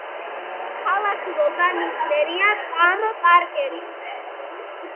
ქალაქ ლოგანის მერია პამ პარკერი.